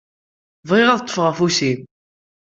Bɣiɣ ad ṭṭfeɣ afus-im.